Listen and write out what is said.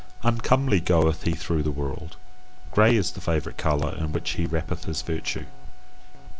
Uncomely goeth he through the world. Grey is the favourite colour in which he wrappeth his virtue.